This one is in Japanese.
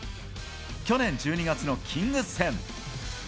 去年１２月のキングス戦。